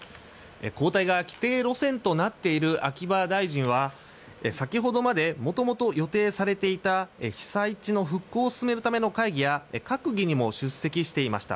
交代が既定路線となっている秋葉大臣は先ほどまで元々予定されていた被災地の復興を進めるための会議や閣議にも出席していました。